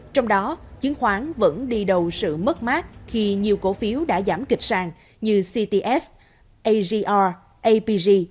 trong đó chiến khoán vẫn đi đầu sự mất mát khi nhiều cổ phiếu đã giảm kịch sàng như cts agr apg